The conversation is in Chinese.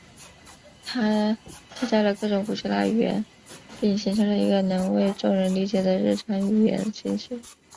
它替代了各种古希腊语方言并形成了一个能为众人理解的日常语言形式。